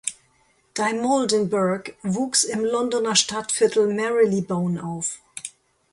Dimoldenberg wuchs im Londoner Stadtviertel Marylebone auf.